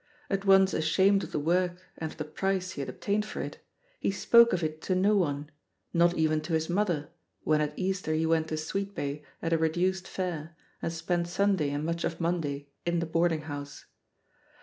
At once ashamed of the work and of the price he had obtained for it, he spoke of it to no one, not even to his mother when at Easter he went to Sweet bay at a reduced fare and spent Sunday and much of Monday in the boarding house.